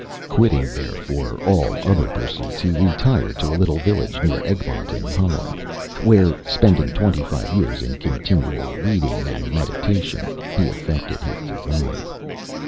Quitting, therefore, all other pursuits, he retired to a little village near Egmont, in Holland, where spending twenty five years in continual reading and meditation, he effected his design."